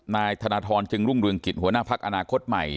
นายธนทรจึงรุ่งเรืองกิจหัวหน้าพักอนาคตใหม่